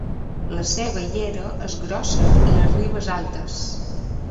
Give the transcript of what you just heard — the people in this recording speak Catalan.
La seva llera és grossa i les ribes altes.